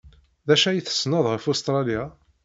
D acu ay tessned ɣef Ustṛalya?